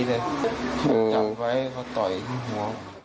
จำไว้เขาโต๊ะอยู่ที่หัว